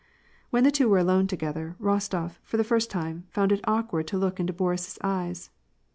When the two were alone together, Rostof, for the first time, found it awkward to look into Boris's eyes.